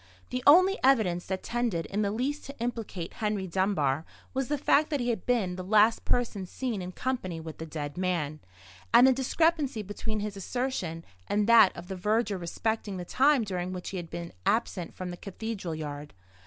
The only evidence that tended in the least to implicate Henry Dunbar was the fact that he had been the last person seen in company with the dead man, and the discrepancy between his assertion and that of the verger respecting the time during which he had been absent from the cathedral yard.